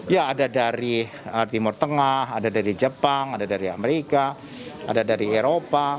ya ada dari timur tengah ada dari jepang ada dari amerika ada dari eropa